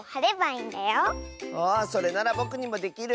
あそれならぼくにもできる！